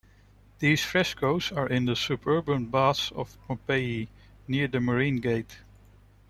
These frescoes are in the "Suburban Baths" of Pompeii, near the Marine Gate.